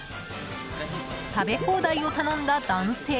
食べ放題を頼んだ男性